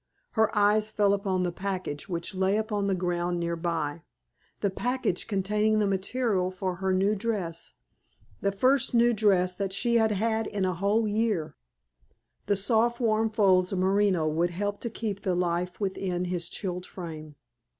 Her eyes fell upon the package which lay upon the ground near by; the package containing the material for her new dress the first new dress that she had had in a whole year. The soft, warm folds of merino would help to keep the life within his chilled frame.